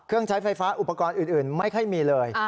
ใช้ไฟฟ้าอุปกรณ์อื่นไม่ค่อยมีเลย